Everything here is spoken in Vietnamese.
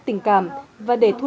tình cảm và để thu nạp nhiều